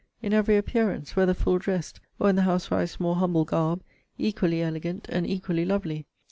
In every appearance, whether full dressed, or in the housewife's more humble garb, equally elegant, and equally lovely!